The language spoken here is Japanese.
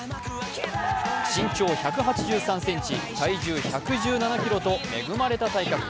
身長１８３ｃｍ、体重１１７ｋｇと恵まれた体格。